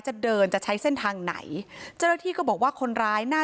จะเดินจะใช้เส้นทางไหนเจ้าหน้าที่ก็บอกว่าคนร้ายน่า